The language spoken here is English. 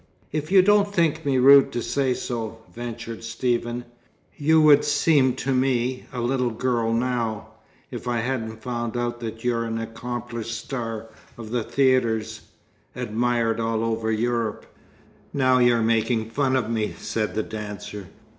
"If you don't think me rude to say so," ventured Stephen, "you would seem to me a little girl now, if I hadn't found out that you're an accomplished star of the theatres, admired all over Europe." "Now you're making fun of me," said the dancer.